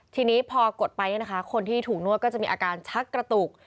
ทีนี้พอกดไปคนที่ถูกนวดก็จะมีอาการชักกระตุก